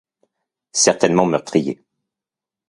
Certainement meurtrier.